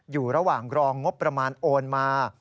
อยู่ระหว่างรองงบประมาณโอนมา